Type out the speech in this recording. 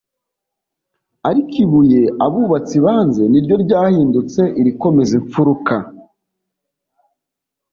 ‘ariko ibuye abubatsi banze ni ryo ryahindutse irikomeza imfuruka